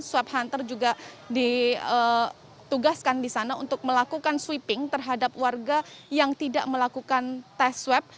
swab hunter juga ditugaskan di sana untuk melakukan sweeping terhadap warga yang tidak melakukan tes swab